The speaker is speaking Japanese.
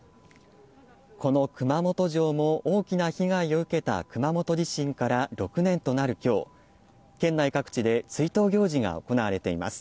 この熊本城も大きな被害を受けた熊本地震から６年となる今日、県内各地で追悼行事が行われています。